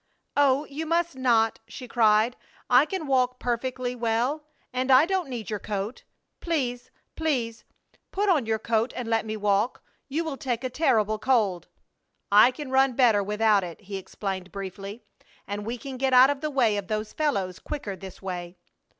"Oh, you must not!" she cried. "I can walk perfectly well, and I don't need your coat. Please, please put on your coat and let me walk! You will take a terrible cold!" "I can run better without it," he explained, briefly, "and we can get out of the way of those fellows quicker this way!"